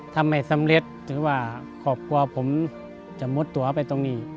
ถ้าไม่สำเร็จถือว่าครอบครัวผมจะมุดตัวไปตรงนี้